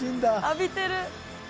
浴びてる。